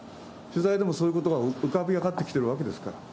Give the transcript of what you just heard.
取材でもそういうことが浮かび上がってきているわけですから。